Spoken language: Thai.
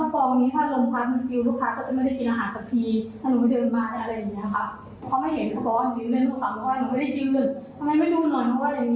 ต้องมาคุณภูมิชู้กัน